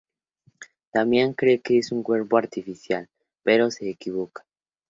Damian cree que es un cuerpo artificial, pero se equivoca.